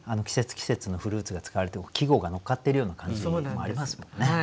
季節季節のフルーツが使われて季語がのっかっているような感じもありますもんね。